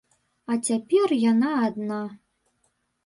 А цяпер яна адна.